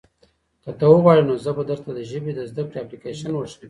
که ته وغواړې نو زه به درته د ژبې د زده کړې اپلیکیشن وښیم.